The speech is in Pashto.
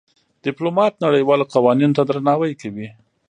ډيپلومات نړېوالو قوانينو ته درناوی کوي.